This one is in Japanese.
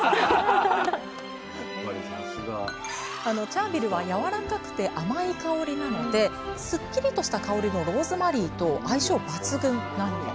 チャービルはやわらかくて甘い香りなのでスッキリとした香りのローズマリーと相性バツグンなんだとか。